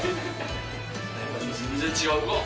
全然違う、うわっ。